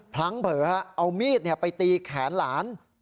พลั้งเผลอเอามีดไปตีแขนหลาน